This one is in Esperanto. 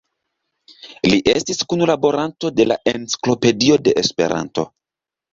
Li estis kunlaboranto de la Enciklopedio de Esperanto.